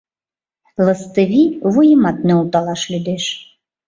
Лыстывий вуйымат нӧлталаш лӱдеш.